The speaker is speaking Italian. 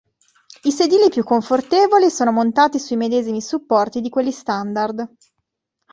I sedili più confortevoli sono montati sui medesimi supporti di quelli standard.